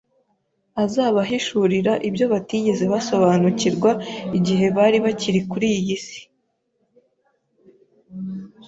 azabahishurira ibyo batigeze basobanukirwa igihe bari bakiri kuri iyi si.